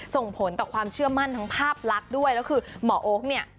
ส่งผลต่อความเชื่อมั่นทั้งภาพลักษณ์ด้วยแล้วคือหมอโอ๊คเนี่ย